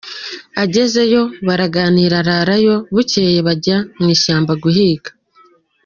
Agezeyo, baraganira ararayo, bukeye bajyana mu ishyamba guhiga.